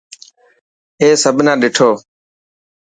اي سڀ نا ڏٺو.